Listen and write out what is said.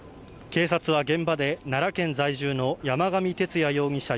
警察は現場で、奈良県在住の山上徹也容疑者